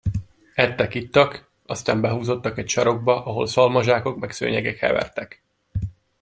Ettek, ittak, aztán behúzódtak, egy sarokba, ahol szalmazsákok meg szőnyegek hevertek.